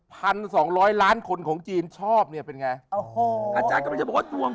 พันสองร้อยล้านคนของจีนชอบเนี่ยเป็นไงโอ้โหอาจารย์กำลังจะบอกว่าทวง